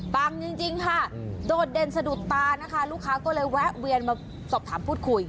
จริงค่ะโดดเด่นสะดุดตานะคะลูกค้าก็เลยแวะเวียนมาสอบถามพูดคุย